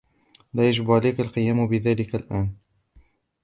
لا يجب عليك القيام بذلك الآن.